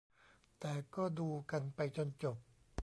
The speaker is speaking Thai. แต่ก็ดูกันไปจนจบ